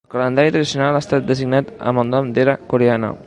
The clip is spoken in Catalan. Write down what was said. El calendari tradicional ha estat designat amb el nom d'era coreana.